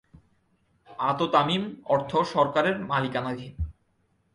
আত-তামিম অর্থ সরকারের মালিকানাধীন।